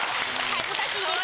恥ずかしいよな。